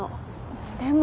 でも。